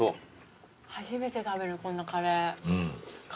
初めて食べるこんなカレー。